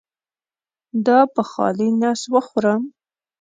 دا په خالي نس وخورم؟